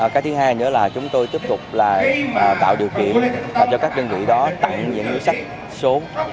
cái thứ hai nữa là chúng tôi tiếp tục là tạo điều kiện cho các đơn vị đó tặng những sách số